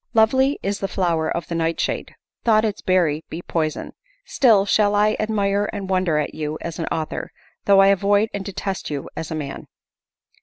Lovely is the flower of the nightshade, thought its berry be poison. Still shall I admire and wonder at you as an author, though I avoid and detest you as a man.